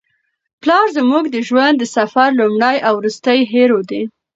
پلار زموږ د ژوند د سفر لومړی او وروستی هیرو دی.